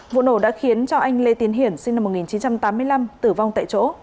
vụ nổ đã khiến cho anh lê tiến hiển sinh năm một nghìn chín trăm tám mươi năm tử vong tại chỗ